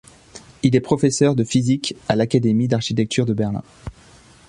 Il est professeur de physique à l'Académie d'architecture de Berlin.